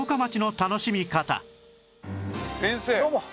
先生